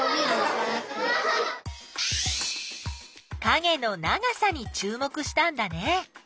かげの長さにちゅう目したんだね。